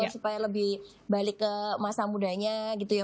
supaya lebih balik ke masa mudanya gitu ya